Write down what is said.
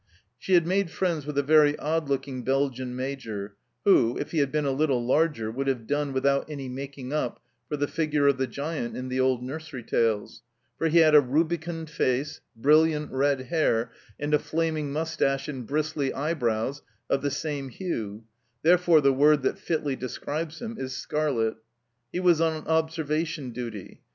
She had made friends with a very odd looking Belgian Major who, if he had been a little larger, would have done, without any making~up, for the figure of the giant in the old nursery tales, for he had a rubicund face, brilliant red hair, and a flaming moustache and bristly eyebrows of the same hue therefore the word that fitly describes him is "scarlet." He was on observation duty.